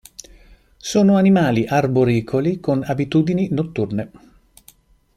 Sono animali arboricoli con abitudini notturne.